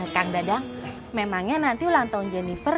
kang dada memangnya nanti ulang tahun jennifer